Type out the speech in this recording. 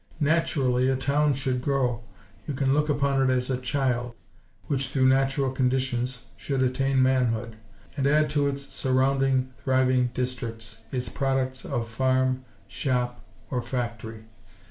Naturally, a town should grow. You can look upon it as a child; which, through natural conditions, should attain manhood; and add to its surrounding thriving districts its products of farm, shop, or factory.